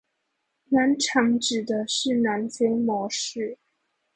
南廠指的是南非模式